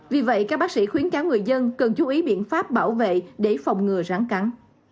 vì vậy các bác sĩ khuyến cáo người dân cần chú ý biện pháp bảo vệ để phòng ngừa ráng cắn